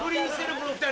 この２人。